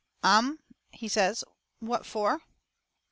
"Um!" he says, "What for?"